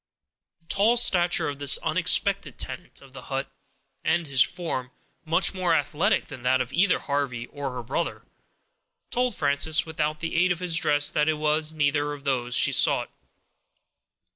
The tall stature of this unexpected tenant of the hut, and his form, much more athletic than that of either Harvey or her brother, told Frances, without the aid of his dress, that it was neither of those she sought.